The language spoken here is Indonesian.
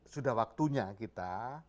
sudah waktunya kita